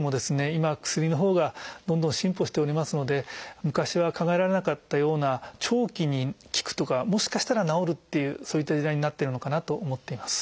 今は薬のほうがどんどん進歩しておりますので昔は考えられなかったような長期に効くとかもしかしたら治るっていうそういった時代になってるのかなと思っています。